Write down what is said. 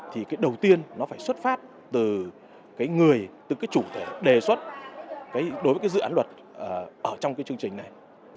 thì cái đầu tiên nó phải xuất phát từ cái người từ cái chủ thể đề xuất đối với cái dự án luật ở trong cái chương trình này